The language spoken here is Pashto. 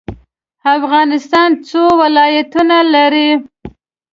افغانستان څو ولایتونه لري؟